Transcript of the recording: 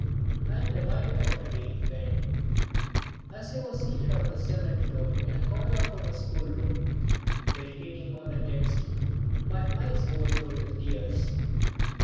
I am reminded of a day when, as I was seated on the cement floor in a corner of our schoolroom meditating on the text, my eyes overflowed with tears.